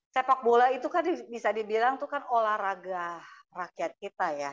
sepak bola itu kan bisa dibilang itu kan olahraga rakyat kita ya